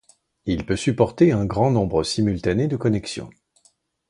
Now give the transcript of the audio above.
Il peut supporter un grand nombre simultané de connexions.